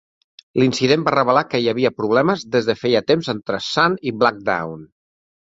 L"incident va revelar que hi havia problemes des de feia temps entre Sun i Blackdown.